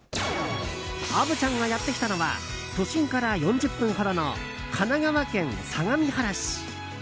虻ちゃんがやってきたのは都心から４０分ほどの神奈川県相模原市。